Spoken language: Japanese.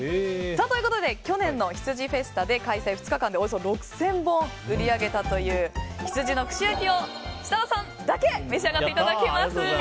ということで去年の羊フェスタ、開催２日間でおよそ６０００本を売り上げたという羊の串焼きを設楽さんだけ召し上がっていただけます。